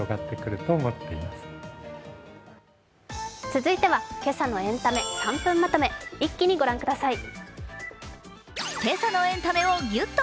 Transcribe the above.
続いては、今朝のエンタメ３分まとめ、一気にご覧ください。